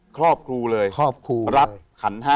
ครอบครูเลยรับขัน๕